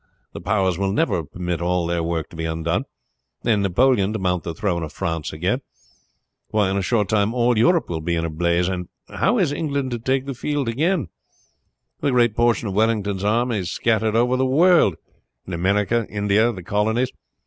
The Powers will never permit all their work to be undone, and Napoleon to mount the throne of France again. Why, in a short time all Europe will be in a blaze, and how is England to take the field again? The greater portion of Wellington's army are scattered over the world in America, India, and the Colonies.